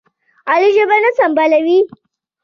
علي ژبه نه سنبالوي.